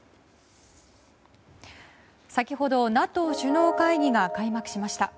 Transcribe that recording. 先ほどＮＡＴＯ首脳会議が開幕しました。